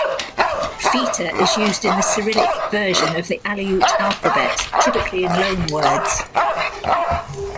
Fita is used in the Cyrillic version of the Aleut alphabet, typically in loanwords.